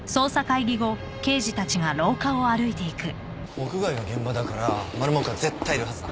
屋外が現場だからマル目は絶対いるはずだ。